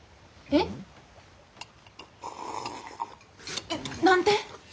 えっ何で？